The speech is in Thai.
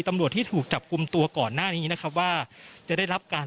ตำรวจที่ถูกจับกลุ่มตัวก่อนหน้านี้นะครับว่าจะได้รับการ